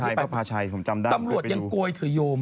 ธรรมหลวงศาลีธรรมก็ยังเกาไขโตโยม